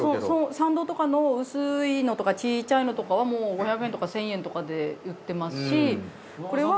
参道とかの薄いのとかちいちゃいのとかはもう５００円とか１，０００円とかで売ってますしこれは。